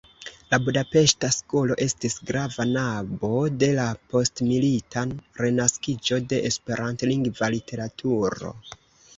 La budapeŝta skolo estis grava nabo de la postmilita renaskiĝo de esperantlingva literaturo.